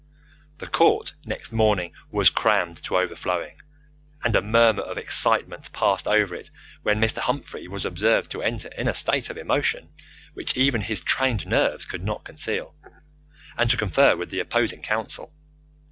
The court next morning was crammed to overflowing, and a murmur of excitement passed over it when Mr. Humphrey was observed to enter in a state of emotion, which even his trained nerves could not conceal, and to confer with the opposing counsel.